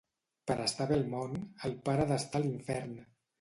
Per estar bé al món, el pare ha d'estar a l'infern.